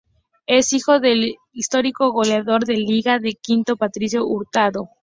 Es hijo del histórico goleador de Liga de Quito Patricio Hurtado.